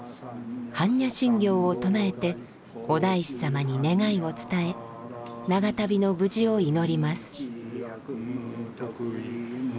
般若心経を唱えてお大師様に「願い」を伝え長旅の無事を祈ります。